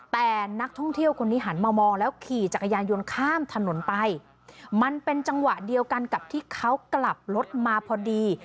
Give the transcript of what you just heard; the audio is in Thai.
แต่นักท่องเที่ยวคนนี้หันมามองแล้วขี่จักรยานยนต์ข้ามถนนไปมันเป็นจังหวะเดียวกันกับที่เขากลับรถมาพอดี